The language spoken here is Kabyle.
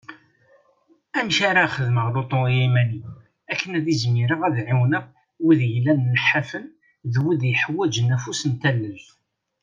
Amek ara xedmeɣ lutu i yiman-iw akken ad izmireɣ ad ɛiwneɣ wid yellan nḥafen d wid yeḥwaǧen afus n tallelt.